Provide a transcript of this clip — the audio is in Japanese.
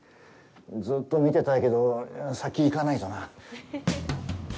ずっと見てたいけど、先行かないとな。